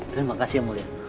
terima kasih yang mulia